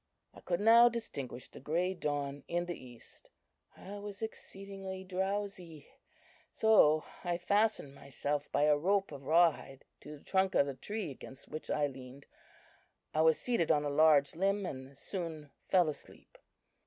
"I could now distinguish the grey dawn in the east. I was exceedingly drowsy, so I fastened myself by a rope of raw hide to the trunk of the tree against which I leaned. I was seated on a large limb, and soon fell asleep.